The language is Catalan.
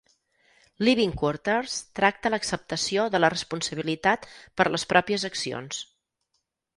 "Living Quarters" tracta l'acceptació de la responsabilitat per les pròpies accions.